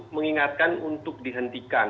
mengingatkan untuk dihentikan